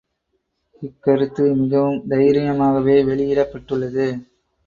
இக்கருத்து மிகவும் தைரியமாகவே வெளியிடப்பட்டுள்ளது.